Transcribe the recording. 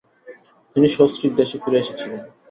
তিনি সস্ত্রীক দেশে ফিরে এসেছিলেন।